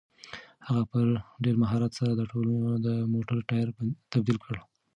هغه په ډېر مهارت سره د موټر ټایر تبدیل کړ.